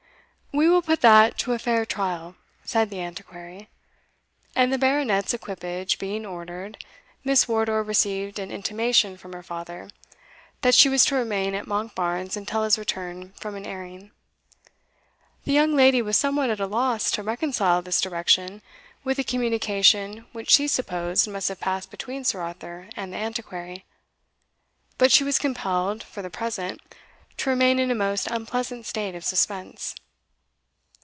"We will put that to a fair trial," said the Antiquary; and the Baronet's equipage being ordered, Miss Wardour received an intimation from her father, that she was to remain at Monkbarns until his return from an airing. The young lady was somewhat at a loss to reconcile this direction with the communication which she supposed must have passed between Sir Arthur and the Antiquary; but she was compelled, for the present, to remain in a most unpleasant state of suspense.